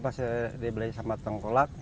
masih dibeli sama tongkolak